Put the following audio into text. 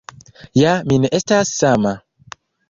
Ja mi ne estas sama.